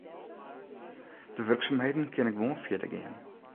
De wurksumheden kinne gewoan fierder gean.